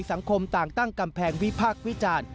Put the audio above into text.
สังคมต่างตั้งกำแพงวิพากษ์วิจารณ์